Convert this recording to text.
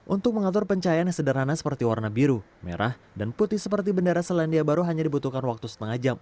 untuk mengatur pencahayaan yang sederhana seperti warna biru merah dan putih seperti bendera selandia baru hanya dibutuhkan waktu setengah jam